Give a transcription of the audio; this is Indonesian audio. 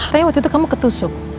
tapi waktu itu kamu ketusuk